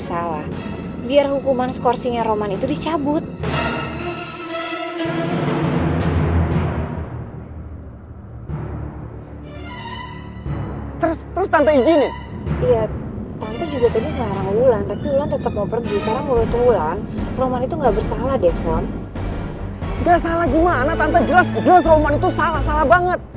salah gimana tante jelas jelas roman itu salah salah banget